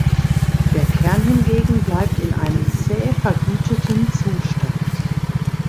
Der Kern hingegen bleibt in einem zäh vergüteten Zustand.